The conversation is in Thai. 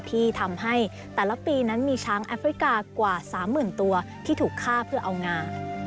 ที่ทำให้แต่ละปีนั้นมีช้างแอฟริกากว่า๓๐๐๐ตัวที่ถูกฆ่าเพื่อเอางา